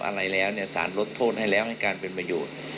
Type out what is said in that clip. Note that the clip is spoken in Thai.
อะไรแล้วเนี่ยสารลดโทษให้แล้วให้การเป็นประโยชน์